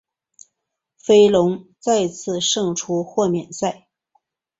飞龙再次胜出豁免赛。